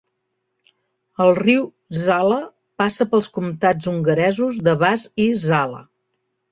El riu Zala passa pels comptats hongaresos de Vas i Zala.